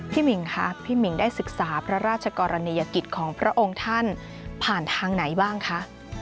หมิงค่ะพี่หมิ่งได้ศึกษาพระราชกรณียกิจของพระองค์ท่านผ่านทางไหนบ้างคะ